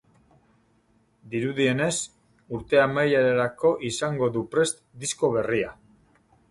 Dirudienez, urte amaierarako izango du prest disko berria.